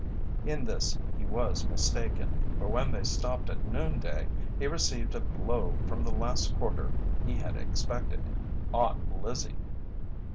In this he was mistaken, for when they stopped at noon day he received a blow from the last quarter he had expected Aunt Lizzie.